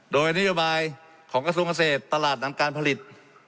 โดยนโยบายของกระทรวงเกษตรตลาดนำการผลิต